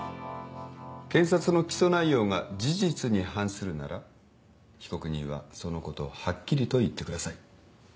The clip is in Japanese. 検察の起訴内容が事実に反するなら被告人はそのことをはっきりと言ってください。